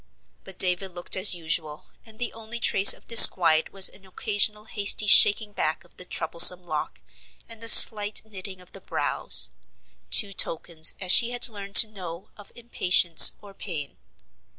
But David looked as usual, and the only trace of disquiet was an occasional hasty shaking back of the troublesome lock, and a slight knitting of the brows; two tokens, as she had learned to know, of impatience or pain.